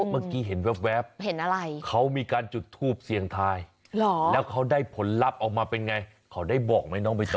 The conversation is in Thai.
เมื่อกี้เห็นแว๊บเห็นอะไรเขามีการจุดทูปเสียงทายแล้วเขาได้ผลลัพธ์ออกมาเป็นไงเขาได้บอกไหมน้องไปต่อ